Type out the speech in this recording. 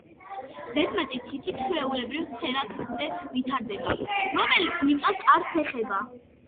ზედმეტი თითი ჩვეულებრივ ცერა თითზე ვითარდება, რომელიც მიწას არც ეხება.